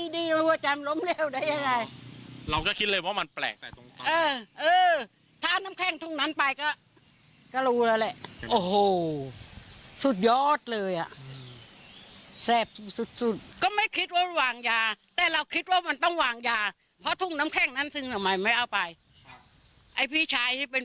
ดูจะอยู่ยังไงเพราะ๒คนพี่น้อง